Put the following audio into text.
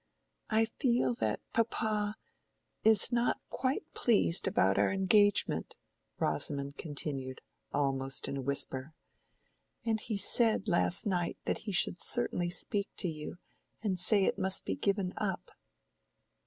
"I feel that papa is not quite pleased about our engagement," Rosamond continued, almost in a whisper; "and he said last night that he should certainly speak to you and say it must be given up."